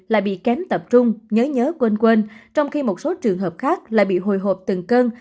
lại bị kém tập trung nhớ nhớ quên quên trong khi một số trường hợp khác lại bị hồi hộp từng cân